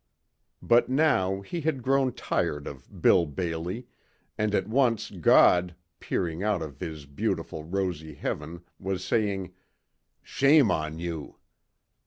But now he had grown tired of "Bill Bailey" and at once God, peering out of his beautiful rosy heaven was saying, "Shame on you."